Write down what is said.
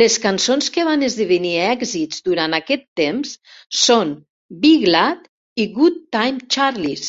Les cançons que van esdevenir èxits durant aquest temps són "Be Glad" i "Good Time Charlie's".